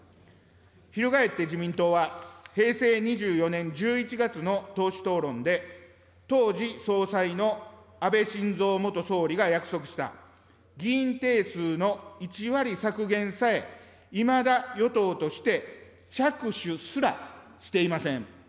翻って自民党は、平成２４年１１月の党首討論で、当時総裁の安倍晋三元総理が約束した、議員定数の１割削減さえいまだ与党として着手すらしていません。